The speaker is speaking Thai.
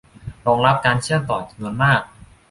รองรับการเชื่อมต่อจำนวนมาก